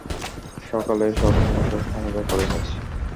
সকালে সব সমস্যার সমাধা করে নিস।